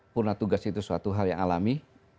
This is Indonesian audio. purna tugas itu suatu hal yang alami